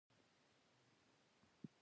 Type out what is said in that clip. د نجونو تعلیم د کورنۍ اقتصاد ښه کولو لامل دی.